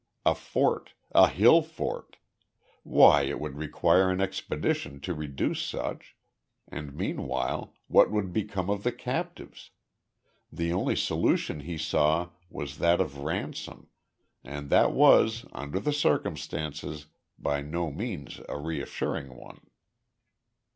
A fort a hill fort! Why, it would require an expedition to reduce such, and meanwhile, what would become of the captives? The only solution he saw was that of ransom, and that was, under the circumstances, by no means a reassuring one.